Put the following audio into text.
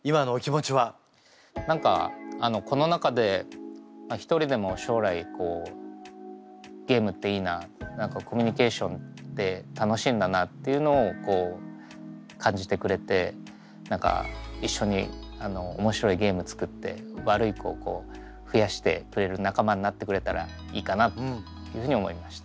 何かこの中で一人でも将来ゲームっていいなコミュニケーションって楽しいんだなっていうのを感じてくれて一緒に面白いゲーム作って悪い子を増やしてくれる仲間になってくれたらいいかなというふうに思いました。